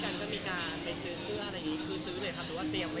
คือซื้อเลยครับหรือว่าเตรียมไว้